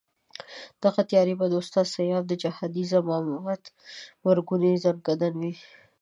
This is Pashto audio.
دغه تیاري به د استاد سیاف د جهادي زعامت مرګوني ځنکندن وي.